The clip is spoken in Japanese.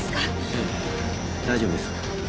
うん大丈夫です。